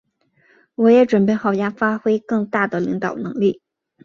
我也准备好要发挥更大的领导能力。